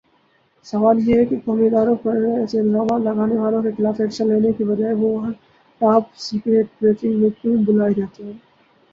سوال یہ ہےکہ قومی ادارے پر ایسےالزامات لگانے والوں کے خلاف ایکشن لینے کی بجائے وہ ہر ٹاپ سیکرٹ بریفنگ میں کیوں بلائےجاتے ہیں